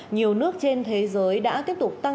nhiều nước trên thế giới đã tiếp tục phát triển